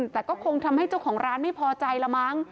แต่ก็คงทำให้เจ้าของร้านไม่พอใจละมั้ง